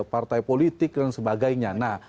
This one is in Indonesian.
partai politik dan sebagainya nah